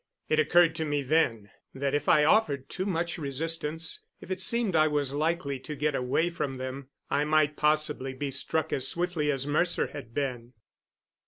It occurred to me then that if I offered too much resistance if it seemed I was likely to get away from them I might possibly be struck as swiftly as Mercer had been.